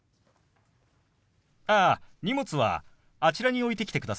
ああ荷物はあちらに置いてきてくださいね。